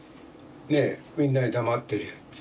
みんなに黙ってるっつうんで。